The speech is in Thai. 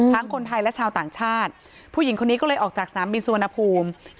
คนไทยและชาวต่างชาติผู้หญิงคนนี้ก็เลยออกจากสนามบินสุวรรณภูมิ